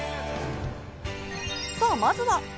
さぁ、まずは。